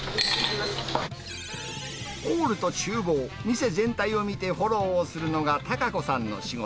ホールとちゅう房、店全体を見て、フォローをするのが孝子さんの仕事。